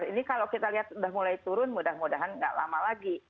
ini kalau kita lihat sudah mulai turun mudah mudahan nggak lama lagi